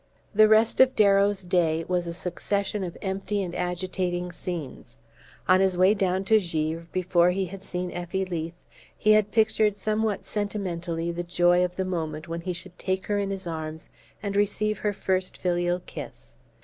The rest of Darrow's day was a succession of empty and agitating scenes. On his way down to Givre, before he had seen Effie Leath, he had pictured somewhat sentimentally the joy of the moment when he should take her in his arms and receive her first filial kiss.